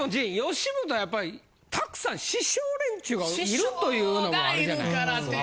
吉本はやっぱりたくさん師匠連中がいるというのもあるじゃない。